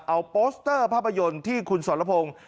เอาโปสเตอร์ภาพยนตร์ที่คุณสรพงศ์